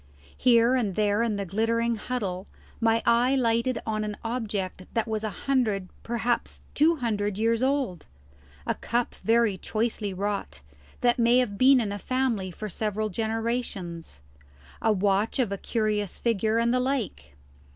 Here and there in the glittering huddle my eye lighted on an object that was a hundred, perhaps two hundred, years old: a cup very choicely wrought, that may have been in a family for several generations; a watch of a curious figure, and the like.